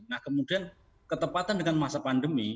nah kemudian ketepatan dengan masa pandemi